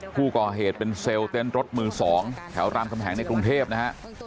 ผู้ก่อเหตุเป็นเซลล์เต้นรถมือ๒แถวรามคำแหงในกรุงเทพนะฮะ